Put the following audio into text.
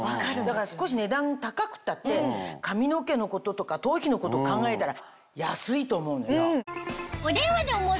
だから少し値段高くたって髪の毛のこととか頭皮のこと考えたら安いと思うのよ。